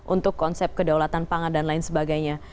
untuk konsep kedaulatan pangan dan lain sebagainya